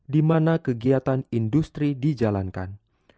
dimana kegiatan industri dijalankan